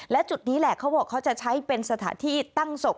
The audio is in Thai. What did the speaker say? และจุดนี้แหละเขาบอกเขาจะใช้เป็นสถานที่ตั้งศพ